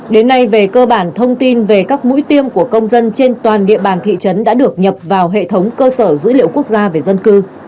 đến nay về cơ bản thông tin về các mũi tiêm của công dân trên toàn địa bàn thị trấn đã được nhập vào hệ thống cơ sở dữ liệu quốc gia về dân cư